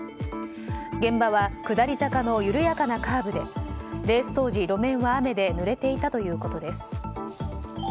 現場は下り坂の緩やかなカーブでレース当時、路面は雨でぬれていたということです。